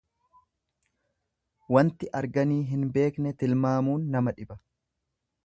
Wanti arganii hin beekne tilmaamuun nama dhiba.